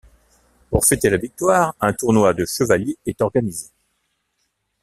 Pour fêter la victoire, un tournoi de chevalier est organisé.